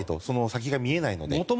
先が見えないので。